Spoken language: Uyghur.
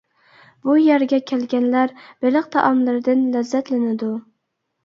بۇ يەرگە كەلگەنلەر بېلىق تائاملىرىدىن لەززەتلىنىدۇ.